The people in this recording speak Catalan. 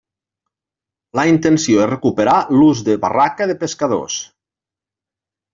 La intenció és recuperar l'ús de barraca de pescadors.